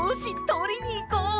とりにいこう！